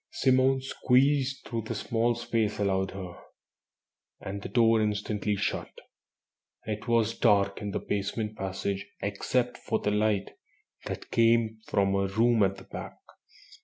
Simone squeezed through the small space allowed her, and the door instantly shut. It was dark in the basement passage except for the light that came from a room at the back.